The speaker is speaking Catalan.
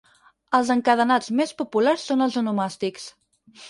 Els encadenats més populars són els onomàstics.